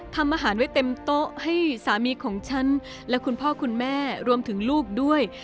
ทำอาหารไว้เต็มโต๊ะให้สามีของฉันและคุณพ่อคุณแม่รวมถึงลูกด้วย